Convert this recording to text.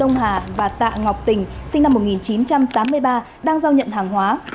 ông hà và tạ ngọc tình sinh năm một nghìn chín trăm tám mươi ba đang giao nhận hàng hóa